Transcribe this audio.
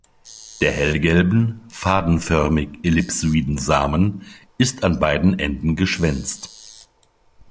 Der hellgelben, fadenförmig-ellipsoiden Samen ist an beiden Enden geschwänzt.